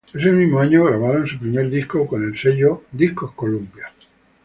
Ese mismo año grabaron su primer disco con el sello Columbia Records.